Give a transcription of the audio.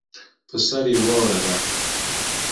پر سر یې واوره ده.